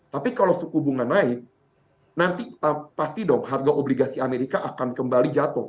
tapi kalau suku bunga naik nanti pasti dong harga obligasi amerika akan kembali jatuh